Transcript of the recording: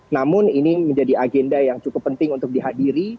namun ini menjadi agenda yang cukup penting untuk dihadiri